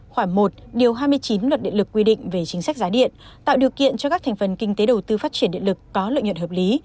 khoảng một điều hai mươi chín luật điện lực quy định về chính sách giá điện tạo điều kiện cho các thành phần kinh tế đầu tư phát triển điện lực có lợi nhuận hợp lý